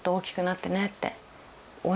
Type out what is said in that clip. って。